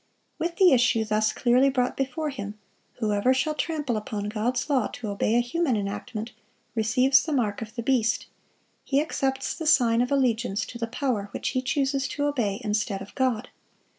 With the issue thus clearly brought before him, whoever shall trample upon God's law to obey a human enactment, receives the mark of the beast; he accepts the sign of allegiance to the power which he chooses to obey instead of God.